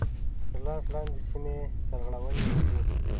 تر لاس لاندي سیمي سرغړوني کوي.